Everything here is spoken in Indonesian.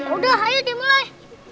udah ayo dimulai